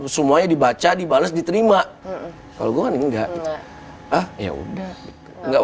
semuanya dibaca dibalas diterima kalau gue kan enggak ah ya udah enggak